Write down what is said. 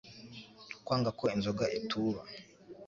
kwanga ko inzoga ituba